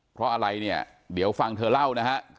เพราะอะไรเนี่ยเดี๋ยวฟังเธอเล่านะฮะ